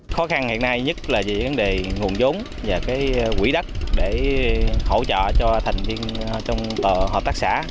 khó khăn hiện nay nhất là về vấn đề nguồn giống và quỹ đất để hỗ trợ cho thành viên trong hợp tác xã